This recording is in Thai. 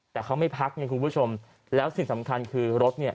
แต่เขาไม่พักไงคุณผู้ชมแล้วสิ่งสำคัญคือรถเนี่ย